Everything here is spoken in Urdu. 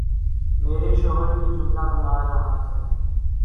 میرے شوہر یہ جملہ بنا رہا ہے